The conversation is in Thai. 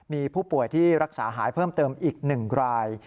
มีผู้ป่วยที่รักษาหายเพิ่มเติมอีก๑ราย